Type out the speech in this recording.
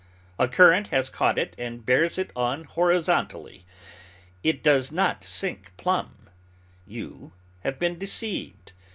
A current has caught it and bears it on horizontally. It does not sink plumb. You have been deceived.